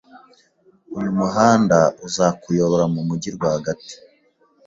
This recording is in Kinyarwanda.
Uyu muhanda uzakuyobora mu mujyi rwagati